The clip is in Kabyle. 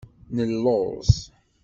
Nelluẓ.